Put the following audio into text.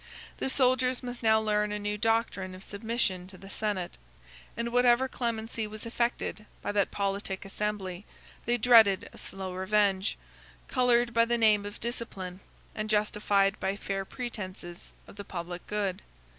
The soldiers must now learn a new doctrine of submission to the senate; and whatever clemency was affected by that politic assembly, they dreaded a slow revenge, colored by the name of discipline, and justified by fair pretences of the public good.